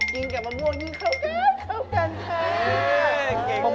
กินกับมะม่วงนี่เขาก็เข้ากันค่ะ